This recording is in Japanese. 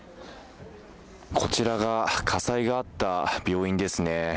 こちらが火災があった病院ですね。